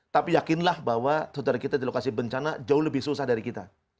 tapi yakinlah bahwa saudara kita di lokasi bencana jauh lebih susah dari kita